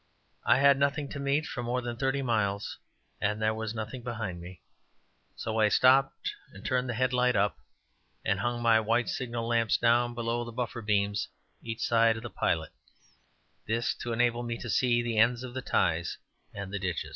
I had nothing to meet for more than thirty miles, and there was nothing behind me; so I stopped, turned the headlight up, and hung my white signal lamps down below the buffer beams each side of the pilot this to enable me to see the ends of the ties and the ditch.